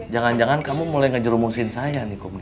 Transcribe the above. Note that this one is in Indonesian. jangan jangan kamu mulai ngejerumusin saya nih